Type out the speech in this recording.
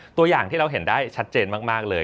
ตัวอย่างที่เราเห็นได้ชัดเจนมากเลย